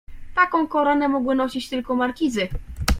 "Taką koronę mogły nosić tylko markizy."